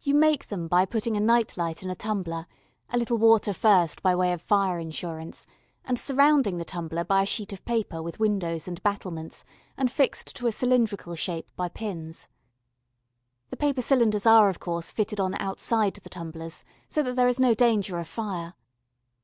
You make them by putting a night light in a tumbler a little water first by way of fire insurance and surrounding the tumbler by a sheet of paper with windows and battlements and fixed to a cylindrical shape by pins. The paper cylinders are, of course, fitted on outside the tumblers so that there is no danger of fire.